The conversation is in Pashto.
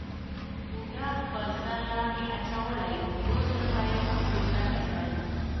بوډا خپل سر لاندې اچولی وو، یو ځل به یې هغوی ته کتل.